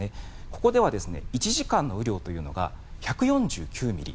ここでは１時間の雨量が１４９ミリ。